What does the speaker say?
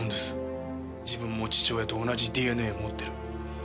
自分も父親と同じＤＮＡを持ってる。